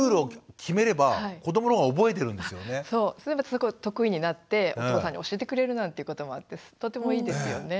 すごい得意になってお父さんに教えてくれるなんていうこともあってとてもいいですよね。